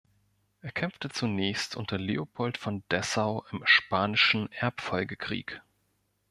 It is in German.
Er kämpfte zunächst unter Leopold von Dessau im Spanischen Erbfolgekrieg.